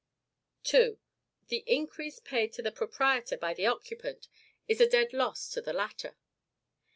THE INCREASE PAID TO THE PROPRIETOR BY THE OCCUPANT IS A DEAD LOSS TO THE LATTER.